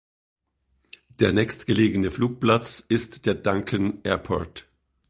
Der nächstgelegene Flugplatz ist der Duncan Airport.